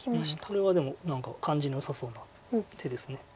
これはでも何か感じのよさそうな手です。